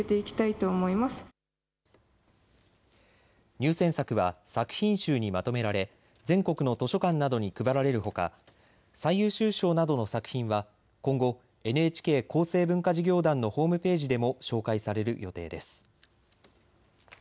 入選作は作品集にまとめられ全国の図書館などに配られるほか最優秀賞などの作品は今後、ＮＨＫ厚生文化事業団のホームページでも紹介される予定です。